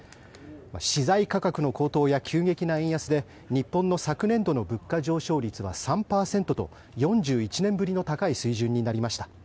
資材価格の高騰や急激な円安で日本の昨年度の物価上昇率は３％と４１年ぶりの高い水準になりました。